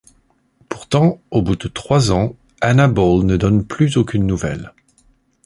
Pourtant, au bout de trois ans, Anna Ball ne donne plus aucune nouvelle.